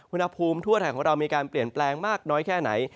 อุณหภูมิทั่วไทยของเรามีการเปลี่ยนแปลงมากน้อยแค่ไหน